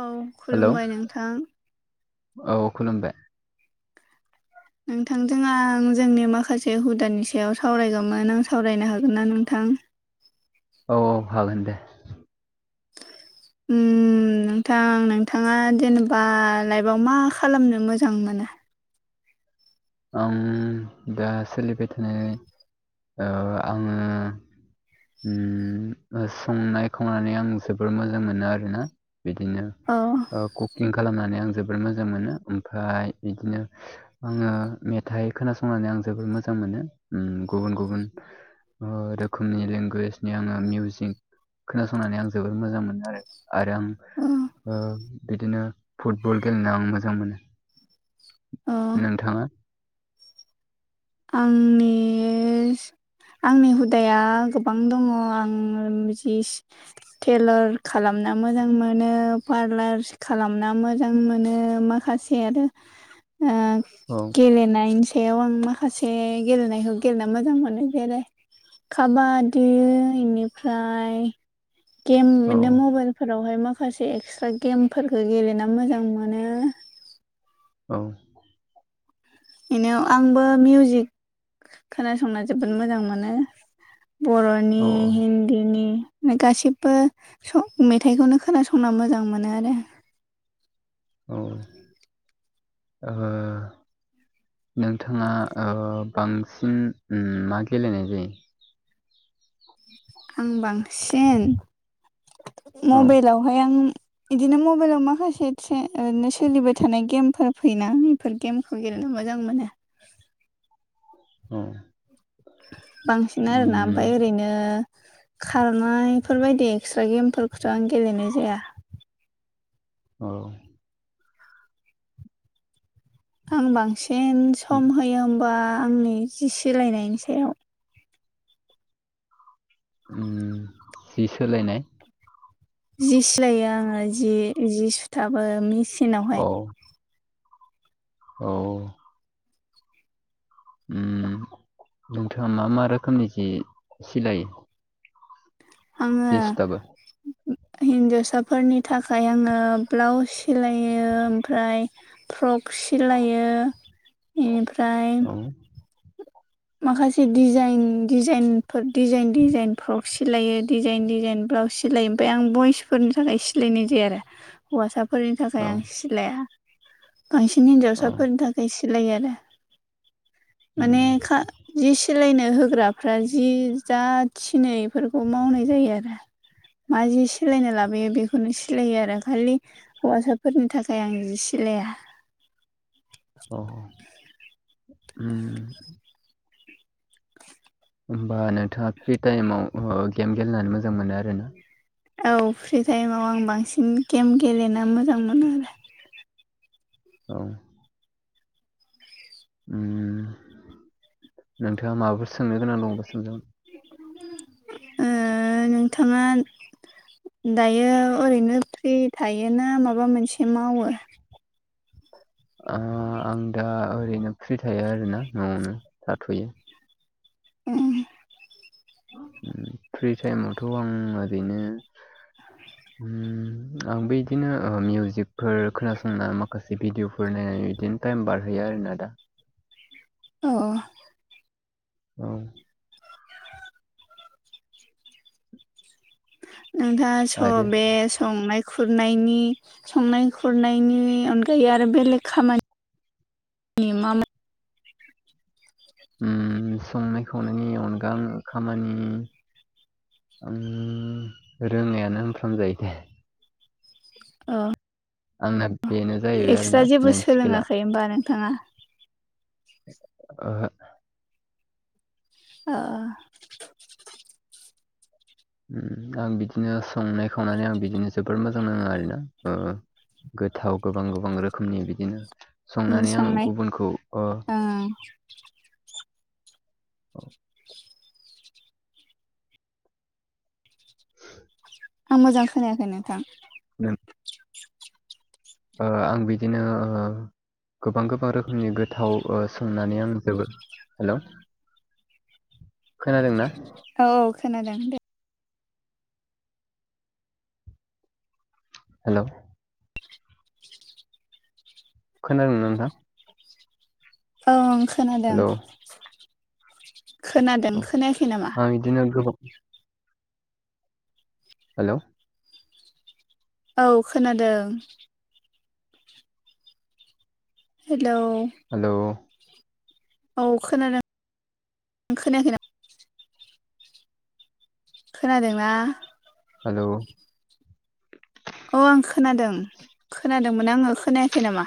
औ हेलौ खुलुमबाय नोंथां। औ खुलुमबाय। नोंथांजों आं जोंनि माखासे हुदानि सायाव सावरायगौमोन आं सावरायनो हागोन ना नोंथां औ औ हागोन दे। उम नोंथां नोंथाङा जेनेबा लाइफआव मा खालामनो मोजां मोनो आं [unintelligible] दा सोलिबाय थानाय ओ आङो उम उह संनाय खावनानै आं जोबोर मोजां मोनो आरोना बिदिनो। अ ओ कुकिं खालामनानै आं जोबोर मोजां मोनो ओमफ्राय बिदिनो आङो मेथाइ खोनासंनानै आं जोबोर मोजां मोनो उम गुबुन गुबुन ओ रोखोमनि लेंगुवेजनि आङो मिउजिं खोनासंनानै आं जोबोद मोजां मोनो आरो आरो आं अ ओह इदिनो फुटबल गेलेनो आं मोजां मोनो। अ नोंथाङा आंनि बे ओस आंनि हुदाया गोबां दङ आं जि टेलर खालामना मोजां मोनो पार्लार खालामना मोजां मोनो माखासे आरो ओ औ। गेलेनायनि सायाव आं माखासे गेलेनायखौ गेलेनो मोजां मोनो। जेरै काबादि इनिफ्राय गेम औ मोनो मबाइल फोरावहाय माखासे एक्सट्रा गेमफोरखो गेलेना मोजां मोनो। औ। इनिआव आंबो मिउजिक खोनासंना जोबोद मोजां मोनो। बरनि औ हिन्दीनि गासैबो स-मेथाइखौनो खोनासंना मोजां मोनो आरो। औ ओ नोंथाङा ओ बांसिन ओम मा गेलेनाय जायो? आं बांसिन [inaudible] औ मबाइलावहाय आं बिदिनो मबाइलाव माखासे ओरैनो सोलिबाय थानाय गेमफोर फैयोना। फोर गेमखौ गेलेनो मोजां मोनो। औ। बांसिन आरोना उम ओमफाय ओरैनो खारनायफोरबायदि एक्सट्रा गेमफोरखौथ आं गेलेनाय जाया। औ। आं बांसिन सम होयो होमबा आंनि जि सिलायनायनि सायाव। उम सि सोलायनाय जि सिलायो आङो जि जि सुथाबो औ मिचिनावहाय। औ। उम नोंथाङा मा मा रोखोमनि जि सिलायो? आङो जि सुथाबो हिन्जावसाफोरनि थाखाय आङो ब्लाउस सिलायो ओमफ्राय फ्रक सिलायो। इनिफ्राय औ माखासे डिजाइन डिजाइनफोर डिजाइन डिजाइन फ्रक सिलायो डिजाइन डिजाइन ब्लाउस सि सिलायो ओमफाय आं बयसफोरनि थाखाय सिलायनाय जाया आरो। हौवासाफोरनि थाखाय औ आं सिलाया बांसिन औ हिनजावसाफोरनि था खाय नै सिलायो आरो। माने उम खा सिलायनो होग्राफ्रा जि जा थिनो एफोरखौ मावनाय जायो आरो। मा जि सिलायनो लाबोयो बेखौनो सिलायो आरो। खालि हौवासाफोरनि थाखाय आं जि सिलाया। अ उम ओमबा नोंथाङा फ्रि टाइमाव उह गेम गेलेनानै मोजां मोनो आरो न औ फ्रि टाइमाव आं बांसिन गेम गेलेनो मोजां मोनो आरो। औ। उम नोंथाङा माबाफोर सोंनो गोनां दंबा सोंजागोन। [inaudible] ओ नोंथाङा दायो ओरैनो फ्रि थायोना माबा मोनसे मावो? ओह आं दा ओरैनो फ्रि थायो आरोना न'आवनो थाथ'यो। उम। उम फ्रि टाइमावथ' आं ओरैनो [inaudible] उम आंबो इदिनो ओ मिउजिकफोर खोनासंना माखासे भिडिअफोर नायनानै इदिनो टाइम बारहोयो आरोना दा। अ औ नोंथाङा स आरो बे संनाय खुरनायनि संनाय खुरनायनि अनगायै आरो बेलेग खामा नि मामो उम संनाय खावनायनि अनगा आङो खामानि ओम रोङायानो होनफ्राम जायो दे। अ आंना बेनो जायैबाय आरोना मेेन स्केला। ओमबा नोंथाङा ओहो ओ ओम आं बिदिनो संनाय खावनानै आं बिदिनो जोबोर मोजां नाङो आरोना अ ओ। गोथाव गोबां गोबां रोखोमनि बिदिनो उम संनानै आङो संनाय गुबुनखौ अ ओं [inaudible] [inaudible] आं मोजां खोनायाखै नोंथां। दों ओ आं बिदिनो ओ गोबां गोबां रोखोमनि गोथाव ओ संनानै आं जोबो हेलौ। खोनादों ना? औ औ खोनादों दे। हेल' खोनादों ना नोंथां? ओं खोनादों हेलौ खोनादों खोनायाखै नामा? दिनो गोबां हेलौ औ खोनादो। हेलौ हेलौ औ खोनादों [unintelligible] खोनायाखै ना खोनादों ना? हेलौ अ आं खोनादों खोनादोंमोन आङो खोनायाखै नामा?